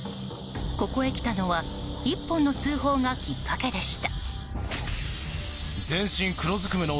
ここへ来たのは１本の通報がきっかけでした。